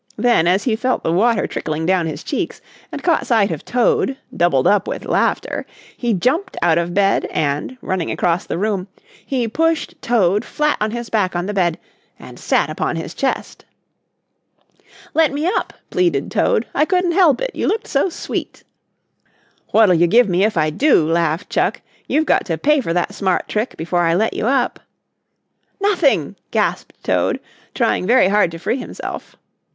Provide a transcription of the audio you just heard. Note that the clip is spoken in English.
Then, as he felt the water trickling down his cheeks and caught sight of Toad, doubled up with laughter, he jumped out of bed and, running across the room, he pushed Toad flat on his back on the bed and sat upon his chest. "Let me up," pleaded Toad. "I couldn't help it, you looked so sweet." "What'll you give me if I do?" laughed Chuck. "You've got to pay for that smart trick before I let you up." "Nothing!" gasped Toad, trying very hard to free himself.